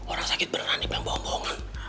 orang sakit beneran dipelan pelan